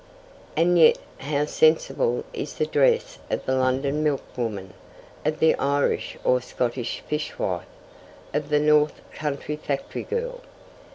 And yet how sensible is the dress of the London milk woman, of the Irish or Scotch fishwife, of the North Country factory girl!